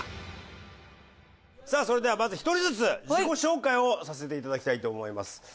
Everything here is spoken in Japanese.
それではまず１人ずつ自己紹介をさせていただきたいと思います。